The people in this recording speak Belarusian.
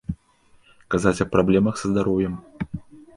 Казаць аб праблемах са здароўем.